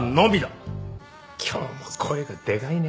今日も声がでかいねえ。